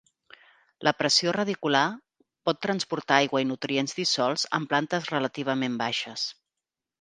La pressió radicular pot transportar aigua i nutrients dissolts en plantes relativament baixes.